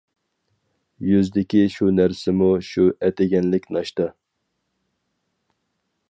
يۈزدىكى شۇ نەرسىمۇ شۇ ئەتىگەنلىك ناشتا!